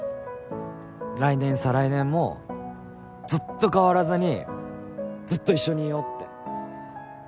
来年再来年もずっと変わらずにずっと一緒にいようって。